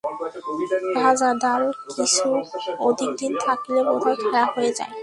ভাজা দাল কিছু অধিক দিন থাকিলে বোধ হয় খারাপ হয়ে যায়।